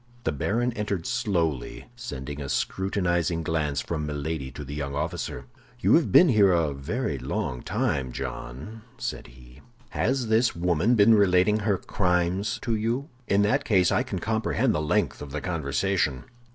The baron entered slowly, sending a scrutinizing glance from Milady to the young officer. "You have been here a very long time, John," said he. "Has this woman been relating her crimes to you? In that case I can comprehend the length of the conversation."